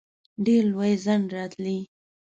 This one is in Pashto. ډېر لوی ځنډ راتلی.